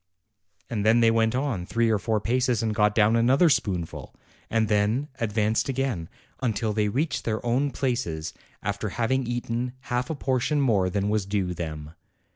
and then they went on three or four paces and got down another spoonful, and then ad vanced again, until they reached their own places, after having eaten half a portion more than was due them.